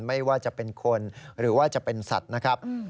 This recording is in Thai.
ไม่ว่าจะเป็นคนหรือว่าจะเป็นสัตว์นะครับ